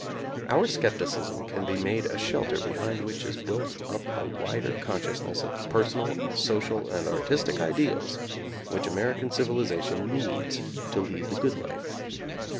Our skepticism can be made a shelter behind which is built up a wider consciousness of the personal and social and artis tic ideals which American civilization needs to lead the good life.